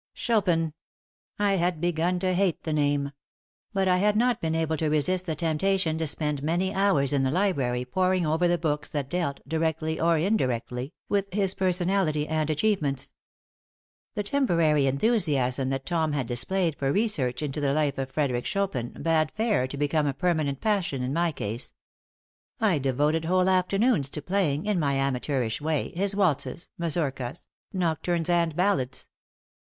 Chopin! I had begun to hate the name. But I had not been able to resist the temptation to spend many hours in the library poring over the books that dealt, directly or indirectly, with his personality and achievements. The temporary enthusiasm that Tom had displayed for research into the life of Frederic Chopin bade fair to become a permanent passion in my case. I devoted whole afternoons to playing, in my amateurish way, his waltzes, mazurkas, nocturnes and ballads.